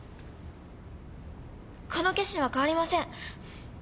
この決心は変わりません。